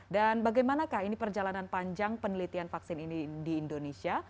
dan bagaimana kah ini perjalanan panjang penelitian vaksin ini di indonesia